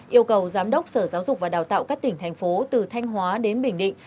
yêu cầu giám đốc sở giáo dục và đào tạo các tỉnh thành phố từ thanh hóa đến bình định